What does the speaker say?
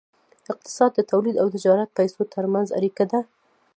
اقتصاد د تولید او تجارت او پیسو ترمنځ اړیکه ده.